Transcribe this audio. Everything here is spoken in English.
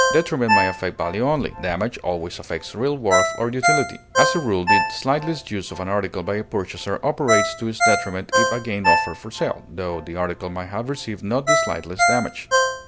Detriment may affect value only; damage always affects real worth or utility; as a rule, the slightest use of an article by a purchaser operates to its detriment if again offered for sale, tho the article may have received not the slightest damage.